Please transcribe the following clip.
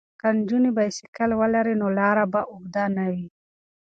که نجونې بایسکل ولري نو لاره به اوږده نه وي.